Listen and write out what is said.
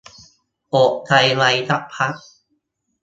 อดใจไว้สักพัก